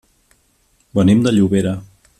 Venim de Llobera.